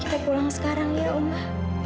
kita pulang sekarang ya mama